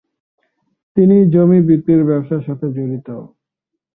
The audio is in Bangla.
তিনি জমি বিক্রির ব্যবসার সাথে জড়িত।